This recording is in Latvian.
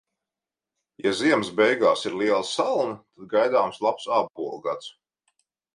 Ja ziemas beigās ir liela salna, tad gaidāms labs ābolu gads.